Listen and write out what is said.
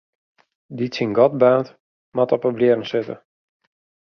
Dy't syn gat baarnt, moat op 'e blierren sitte.